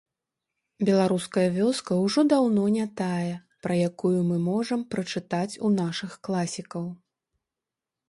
Беларуская вёска ўжо даўно не тая, пра якую мы можам прачытаць у нашых класікаў.